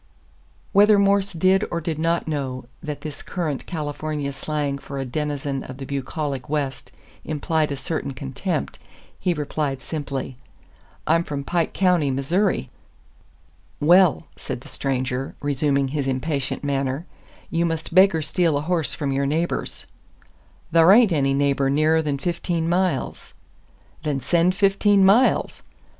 Whether Morse did or did not know that this current California slang for a denizen of the bucolic West implied a certain contempt, he replied simply: "I'm from Pike County, Mizzouri." "Well," said the stranger, resuming his impatient manner, "you must beg or steal a horse from your neighbors." "Thar ain't any neighbor nearer than fifteen miles." "Then send fifteen miles!